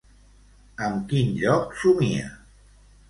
Amb quin lloc somia?